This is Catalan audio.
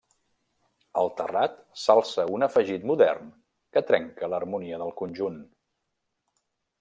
Al terrat s'alça un afegit modern que trenca l'harmonia del conjunt.